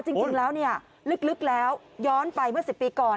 จริงแล้วย้อนไปเมื่อ๑๐ปีก่อน